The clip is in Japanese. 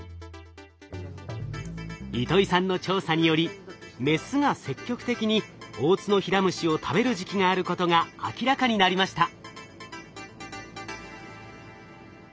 糸井さんの調査によりメスが積極的にオオツノヒラムシを食べる時期があることが明らかになりました。